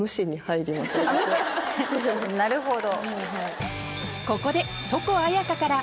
なるほど。